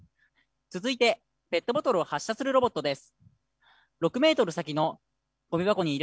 続いてペットボトルを発射するロボットです。